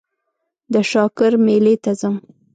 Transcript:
د شاکار مېلې ته ځم.